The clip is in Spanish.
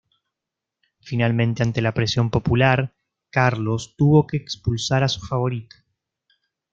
Finalmente, ante la presión popular, Carlos tuvo que expulsar a su favorito.